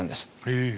へえ。